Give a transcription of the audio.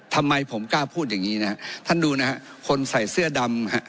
ทำไมผมกล้าพูดอย่างงี้นะฮะท่านดูนะฮะคนใส่เสื้อดำฮะ